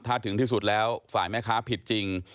ถ้าถึงที่สุดแล้วฝ่ายแม่ค้าผิดจริง